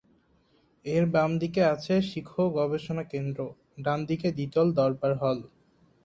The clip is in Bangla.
এর বাম দিকে আছে শিখ গবেষণা কেন্দ্র, ডানদিকে দ্বিতল দরবার হল।